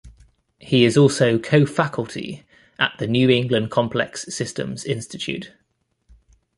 He is also co-faculty at the New England Complex Systems Institute.